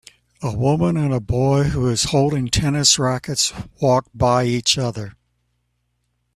A woman and boy who is holding tennis rackets walk by each other.